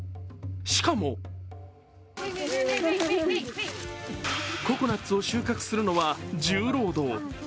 しかもココナッツを収穫するのは重労働。